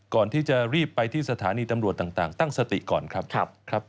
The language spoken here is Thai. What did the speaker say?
ก่อนที่จะรีบไปที่สถานีตำรวจต่างตั้งสติก่อนครับ